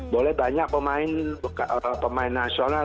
boleh banyak pemain nasional